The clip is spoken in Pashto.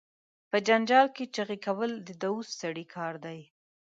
په جنجال کې چغې کول، د دووث سړی کار دي.